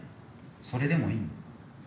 それでもいい？